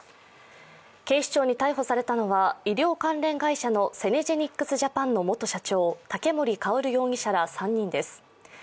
警視庁に逮捕されたのは医療関連会社のセネジェニックス・ジャパンの元社長竹森郁容疑者ら３人です。